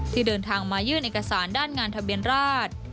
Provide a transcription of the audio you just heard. ที่เดินทางมายื่นเอกสารด้านงานทะเบียนราช